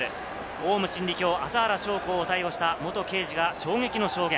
オウム真理教・麻原彰晃を逮捕した元刑事が衝撃の証言。